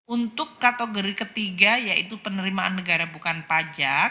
untuk kategori ketiga yaitu penerimaan negara bukan pajak